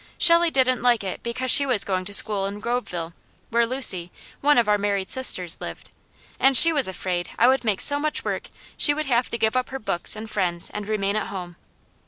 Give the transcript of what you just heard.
Shelley didn't like it because she was going to school in Groveville, where Lucy, one of our married sisters, lived, and she was afraid I would make so much work she would have to give up her books and friends and remain at home.